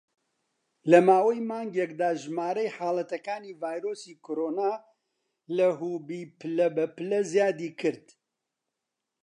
لە ماوەی مانگێکدا، ژمارەی حاڵەتەکانی ڤایرۆسی کۆرۆنا لە هوبی پلە بە پلە زیادی کرد.